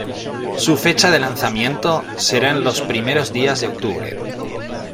Su fecha de lanzamiento será en los primeros días de octubre.